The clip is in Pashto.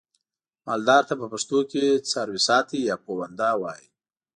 مالدار ته په پښتو کې څارويساتی یا پوونده وایي.